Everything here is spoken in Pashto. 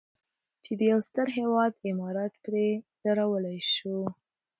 چې د یو ستر هېواد عمارت پرې درولی شو.